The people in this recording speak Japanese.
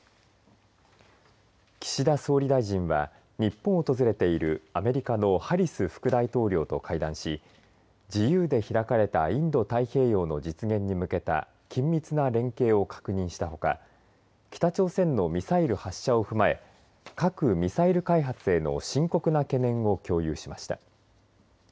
岸田総理大臣は日本を訪れているアメリカのハリス副大統領と会談し自由で開かれたインド太平洋の実現に向けた緊密な連携を確認したほか北朝鮮のミサイル発射を踏まえ核、ミサイル開発への深刻な懸念を共有しました。